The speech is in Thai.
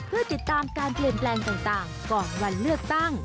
เพื่อติดตามการเปลี่ยนแปลงต่างก่อนวันเลือกตั้ง